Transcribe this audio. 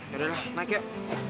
yaudah lah naik yuk